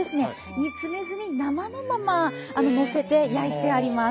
煮詰めずに生のままのせて焼いてあります。